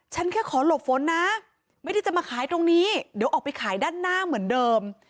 แค่ขอหลบฝนนะไม่ได้จะมาขายตรงนี้เดี๋ยวออกไปขายด้านหน้าเหมือนเดิม